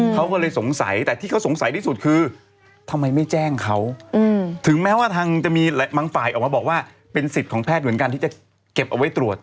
เขาก็เลยสงสัยแต่ที่เขาสงสัยที่สุดคือทำไมไม่แจ้งเขาถึงแม้ว่าทางจะมีบางฝ่ายออกมาบอกว่าเป็นสิทธิ์ของแพทย์เหมือนกันที่จะเก็บเอาไว้ตรวจ